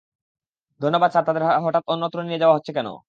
ধন্যবাদ স্যার তাদের হঠাত অন্যত্র নিয়ে যাওয়া হচ্ছে কেনো?